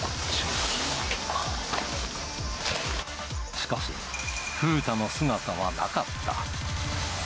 しかし、ふうたの姿はなかった。